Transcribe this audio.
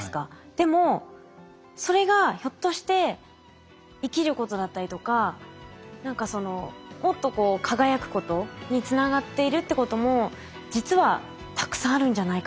でもそれがひょっとして生きることだったりとか何かそのもっと輝くことにつながっているってことも実はたくさんあるんじゃないかなと。